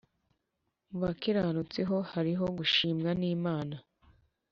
mu bakiranutsi ho hariho gushimwa n’imana